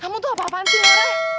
kamu tuh apa apaan sih mbak